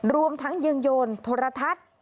รวมทั้งยังโยนโทรทัศน์